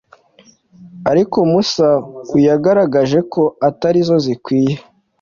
ariko Musau yagaragaje ko atari zo zikwiye